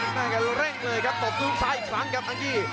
มันเร่งเลยครับตบดูซ้ายอีกครั้งกับอาคีย์